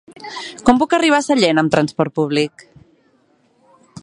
Com puc arribar a Sellent amb transport públic?